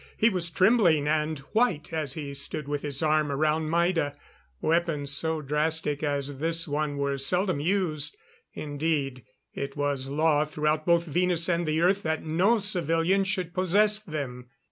He was trembling and white as he stood with his arm around Maida. Weapons so drastic as this one were seldom used. Indeed, it was law throughout both Venus and the Earth that no civilian should possess them.